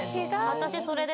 私それで。